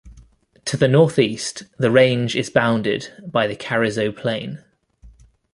To the northeast, the range is bounded by the Carrizo Plain.